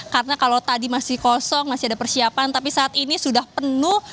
karena kalau tadi masih kosong masih ada persiapan tapi saat ini sudah penuh